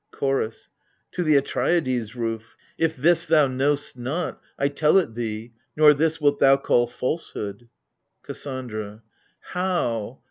CHOROS. To the Atreidai's roof: if this thou know'st not, I tell it thee, nor this wilt thou call falsehood. KASSANDRA. How